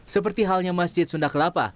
seperti halnya masjid sunda kelapa